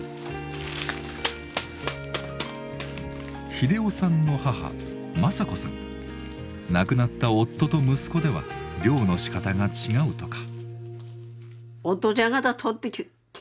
英雄さんの母亡くなった夫と息子では漁のしかたが違うとか。